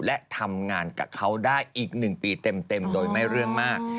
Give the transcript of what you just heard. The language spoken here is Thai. และทำงานกับเขาได้อีก๑ปีเต็มโดยไม่เรื่องมาก